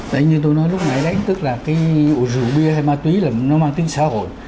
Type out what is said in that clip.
đấy như tôi nói lúc nãy đấy tức là cái rượu bia hay ma túy là nó mang tính xã hội